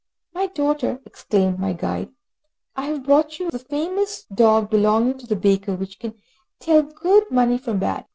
"My daughter," exclaimed my guide, "I have brought you the famous dog belonging to the baker which can tell good money from bad.